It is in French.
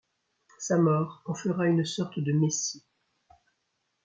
Sa mort en fera une sorte de messie.